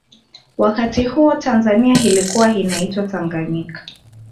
wakati huo tanzania ilikua inaitwa tanganyika